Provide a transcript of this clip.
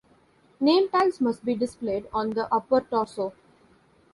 Name tags must be displayed on the upper torso.